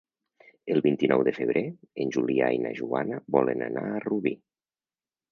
El vint-i-nou de febrer en Julià i na Joana volen anar a Rubí.